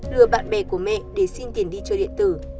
lừa bạn bè của mẹ để xin tiền đi chơi điện tử